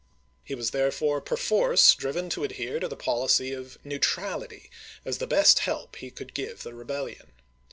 He was therefore perforce driven to adhere to the policy of " neutrality," as the best help he could give the rebellion.